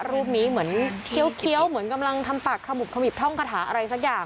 เป็นพระรูปนี้เหมือนเคี้ยวเหมือนกำลังทำปากขมิบท่องกระถาอะไรสักอย่าง